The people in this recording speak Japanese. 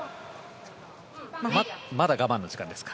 まだ我慢の時間ですか。